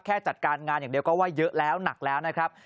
จัดการงานอย่างเดียวก็ว่าเยอะแล้วหนักแล้วนะครับ